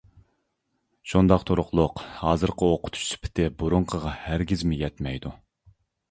شۇنداق تۇرۇقلۇق ھازىرقى ئوقۇتۇش سۈپىتى بۇرۇنقىغا ھەرگىزمۇ يەتمەيدۇ.